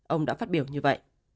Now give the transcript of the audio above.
ông đã phát biểu như vậy